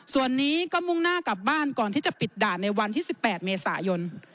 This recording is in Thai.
ส่วนนี้ก็มุ่งหน้ากลับบ้านก่อนที่จะปิดด่านในวันที่๑๘เมษายน